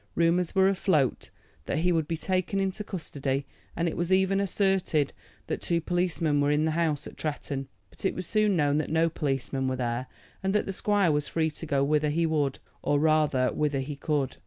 Rumors were afloat that he would be taken into custody, and it was even asserted that two policemen were in the house at Tretton. But it was soon known that no policemen were there, and that the squire was free to go whither he would, or rather whither he could.